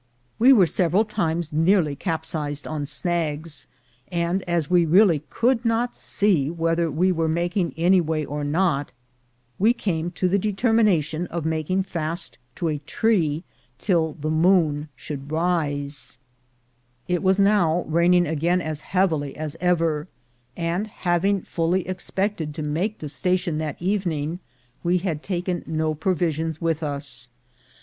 We were several times nearly capsized on snags, and, as we really could not see whether we were making any way or not, we came to the determina tion of making fast to a tree till the moon should rise. 26 THE GOLD HUNTERS It was now raining again as heavily as ever, and having fully expected to make the station that evening, we had taken no provisions with us.